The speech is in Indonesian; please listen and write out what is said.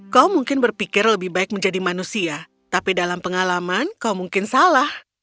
kau mungkin berpikir lebih baik menjadi manusia tapi dalam pengalaman kau mungkin salah